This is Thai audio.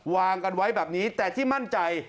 วางกันไว้แบบนี้แต่ที่มั่นใจ